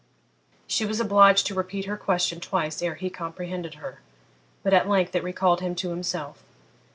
She was obliged to repeat her question twice ere he comprehended her, but at length it recalled him to himself.